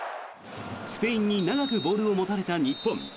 スペインに長くボールを持たれた日本。